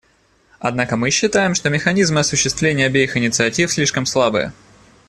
Однако мы считаем, что механизмы осуществления обеих инициатив слишком слабые.